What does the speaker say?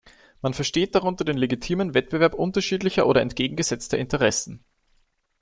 Man versteht darunter den legitimen Wettbewerb unterschiedlicher oder entgegengesetzter Interessen.